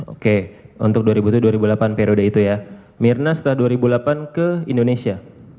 oke untuk dua ribu tujuh dua ribu delapan periode itu ya mirna setelah dua ribu delapan ke indonesia